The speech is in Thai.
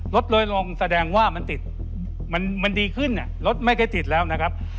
ลดน้อยลงแสดงว่ามันติดมันดีขึ้นรถไม่ได้ติดแล้วนะครับ